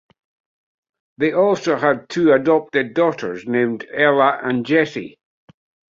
They also had two adopted daughters named Ella and Jessie.